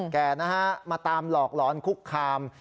แก่นะฮะมาตามหลอกหลอนคุกคาม